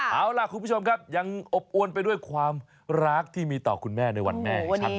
เอาล่ะคุณผู้ชมครับยังอบอวนไปด้วยความรักที่มีต่อคุณแม่ในวันแม่